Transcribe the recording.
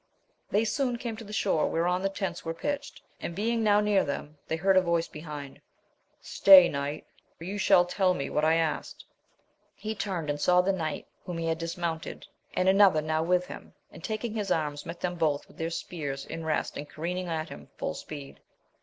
They soon came to tlie sliore whereon the tents were pitched ; and being now near them, they heard a voice behind, Stay, knight, for you shall tell me what I asked. He turned, and saw the knight whom he had dismounted, and another now with liim, and taking his arms met them both with their spears in rest and careering at him, full speed.